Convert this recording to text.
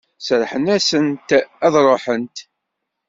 Serrḥen-asent ad ruḥent?